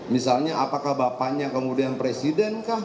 misalnya apakah bapaknya kemudian presiden kah